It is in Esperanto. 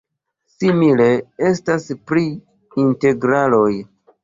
Simile estas pri integraloj.